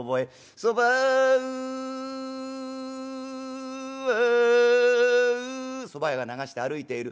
『そばうおう』そば屋が流して歩いている。